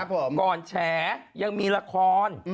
ก่อนแฉยังมีละคร